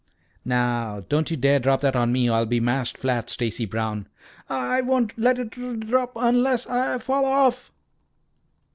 "Now, don't you dare let that drop on me or I'll be mashed flat, Stacy Brown." "I I won't let it d d rop un unless I I fall off."